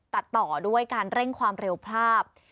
ตัดต่อด้วยการเร่งความเร็วภาพ